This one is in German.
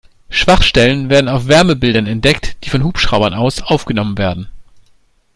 Schwachstellen werden auf Wärmebildern entdeckt, die von Hubschraubern aus aufgenommen werden.